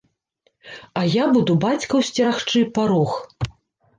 А я буду бацькаў сцерагчы парог.